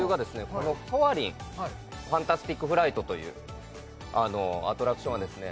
このソアリンはいファンタスティック・フライトというアトラクションはですね